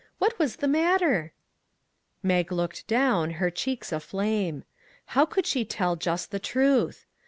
What was the matter ?" Mag looked down, her cheeks aflame. How could she tell just the truth?